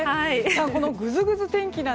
このぐずぐず天気